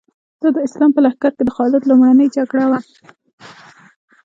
دا د اسلام په لښکر کې د خالد لومړۍ جګړه وه.